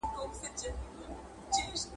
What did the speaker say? ټول د همدې لپاره کار کوي.